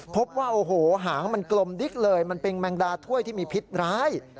พบว่าโอ้โหหางมันกลมดิ๊กเลยมันเป็นแมงดาถ้วยที่มีพิษร้าย